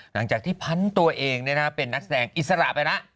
หลังจากที่พันตัวเองเป็นนักแสดงอิสระไปแล้ว